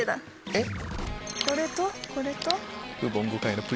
えっ？